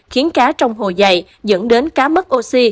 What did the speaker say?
khiến cá trong hồ dày dẫn đến cá mất oxy